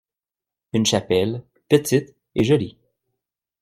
Une chapelle, petite et jolie.